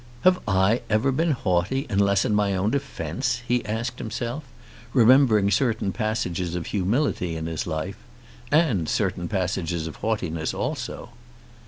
"Have I ever been haughty, unless in my own defence?" he asked himself, remembering certain passages of humility in his life, and certain passages of haughtiness also.